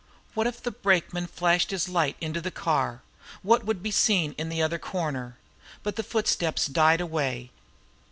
What if the brakeman flashed his light into the car? What would be seen in the other corner? But the footsteps died away.